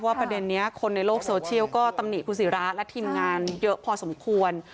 ประเด็นนี้คนในโลกโซเชียลก็ตำหนิคุณศิระและทีมงานเยอะพอสมควร